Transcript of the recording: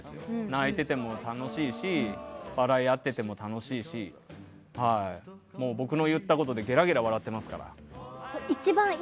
泣いてても楽しいし笑い合っていても楽しいですし僕の言ったことでゲラゲラです。